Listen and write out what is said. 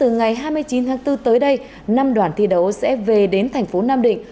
ngày hai mươi chín tháng bốn tới đây năm đoàn thi đấu sẽ về đến thành phố nam định